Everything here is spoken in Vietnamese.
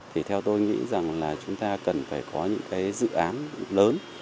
thì theo tôi nghĩ rằng là chúng ta cần phải có những cái dự án lớn